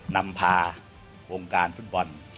นำพาวงการฟุตบอล